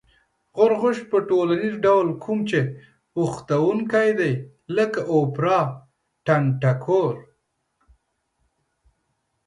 غورغوشت په ټولیز ډول کوم چې بوختوونکي دی لکه: اوپرا، ټنگټکور